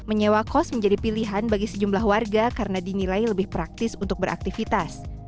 menyewa kos menjadi pilihan bagi sejumlah warga karena dinilai lebih praktis untuk beraktivitas